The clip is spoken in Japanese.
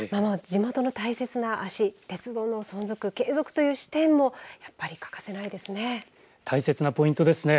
地元の大切な足鉄道の存続、継続という視点もやっぱり欠かせないですね。